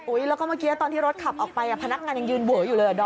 แล้วก็เมื่อกี้ตอนที่รถขับออกไปพนักงานยังยืนเวออยู่เลยอ่ะดอม